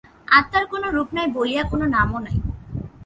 আত্মার কোন রূপ নাই বলিয়া কোন নামও নাই।